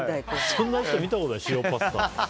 そんな人見たことない塩パスタ。